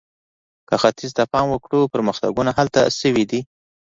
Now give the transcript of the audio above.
که ختیځ ته پام وکړو، پرمختګونه هلته شوي دي.